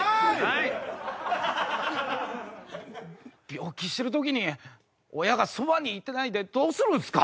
病気してる時に親がそばにいてないでどうするんすか？